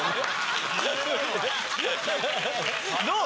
どう？